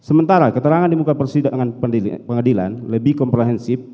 sementara keterangan di muka persidangan pengadilan lebih komprehensif